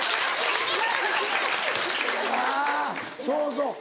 あぁそうそう。